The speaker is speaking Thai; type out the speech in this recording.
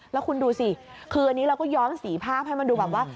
แล้วคุณดูสิคืออันนี้เราก็ย้อนสีภาพให้มันดูแบบว่า